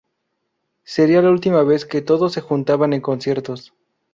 Sería la última vez que todos se juntaban en conciertos.